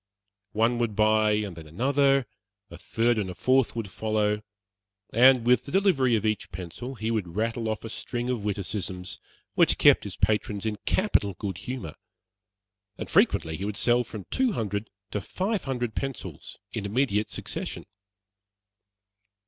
One would buy, and then another; a third and a fourth would follow; and with the delivery of each pencil he would rattle off a string of witticisms which kept his patrons in capital good humor; and frequently he would sell from two hundred to five hundred pencils in immediate succession.